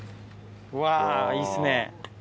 うわいいっすね。